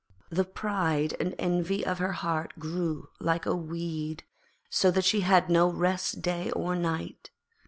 '] The pride and envy of her heart grew like a weed, so that she had no rest day nor night.